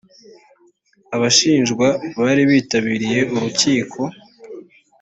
abashinjwa bari bitabiriye urukiko.